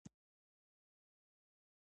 زما نیمګړتیاوې یو مجبوریت وبولي.